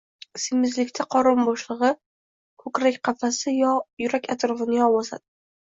Semizlikda qorin bo‘shlig‘i, ko‘krak qafasi, yurak atrofini yog‘ bosadi.